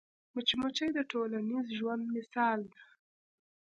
مچمچۍ د ټولنیز ژوند مثال ده